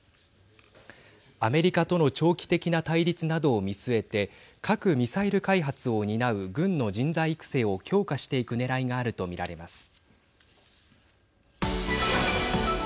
アメリカとの長期的な対立などを見据えて核・ミサイル開発を担う軍の人材育成を強化していくねらいがあると見られます。